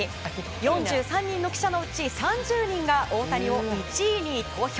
４３人の記者のうち３０人が大谷を１位に投票。